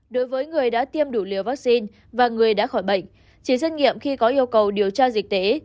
đối với người đã tiêm đủ liều vaccine và người đã khỏi bệnh chỉ xét nghiệm khi có yêu cầu điều tra dịch tế